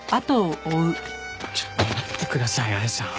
ちょっと待ってください彩さん。